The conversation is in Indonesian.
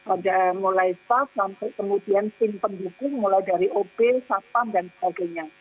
ada mulai staff sampai kemudian tim pendukung mulai dari ob satpam dan sebagainya